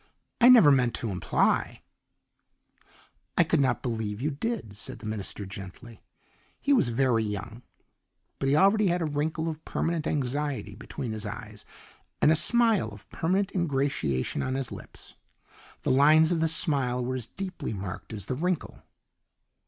I never meant to imply " "I could not believe you did," said the minister gently. He was very young, but he already had a wrinkle of permanent anxiety between his eyes and a smile of permanent ingratiation on his lips. The lines of the smile were as deeply marked as the wrinkle.